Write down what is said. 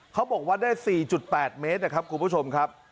เขาบอกว่าได้๔๘เมตรนะครับคุณผู้ชมครับ